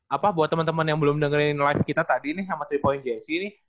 apa buat temen temen yang belum dengerin live kita tadi nih sama tiga pointjc nih